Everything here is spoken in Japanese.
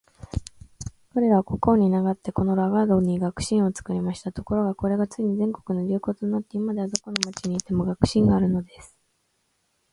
彼等は国王に願って、このラガードに学士院を作りました。ところが、これがついに全国の流行となって、今では、どこの町に行っても学士院があるのです。